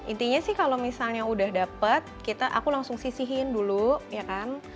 intinya sih kalau misalnya udah dapet aku langsung sisihin dulu ya kan